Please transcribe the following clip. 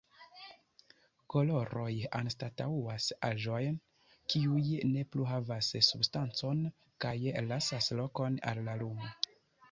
Koloroj anstataŭas aĵojn, kiuj ne plu havas substancon kaj lasas lokon al la lumo.